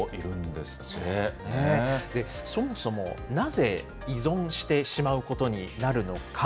そもそもなぜ、依存してしまうことになるのか。